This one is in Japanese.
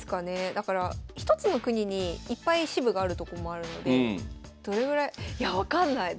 だから一つの国にいっぱい支部があるとこもあるのでどれぐらいいや分かんないどれぐらいなんでしょう。